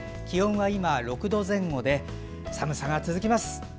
気温は今、６度前後で寒さが続きます。